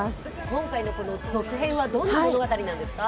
今回の続編はどんな物語なんですか？